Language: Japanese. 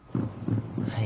はい。